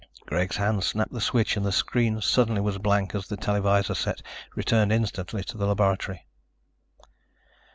Greg's hand snapped the switch and the screen suddenly was blank as the televisor set returned instantly to the laboratory.